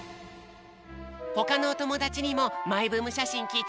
ほかのおともだちにもマイブームしゃしんきいてみよう！